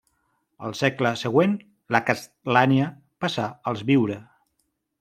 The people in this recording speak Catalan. Al segle següent la castlania passà als Biure.